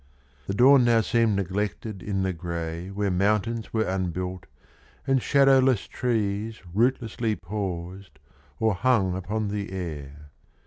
The dawn now seemed neglected in the grey Where mountains were unbuilt and shadowless trees Rootlessly paused or hung upon the air.